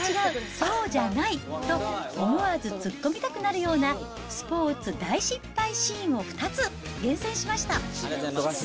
そうじゃない！と、思わず突っ込みたくなるような、スポーツ大失敗シーンを２つ、厳選しました。